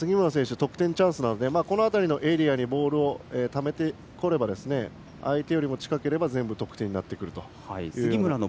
得点チャンスなのでこの辺りのエリアにボールをためてこれば相手より近ければ全部、得点になると。